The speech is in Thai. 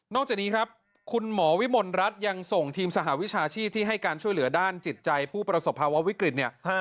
จากนี้ครับคุณหมอวิมลรัฐยังส่งทีมสหวิชาชีพที่ให้การช่วยเหลือด้านจิตใจผู้ประสบภาวะวิกฤตเนี่ย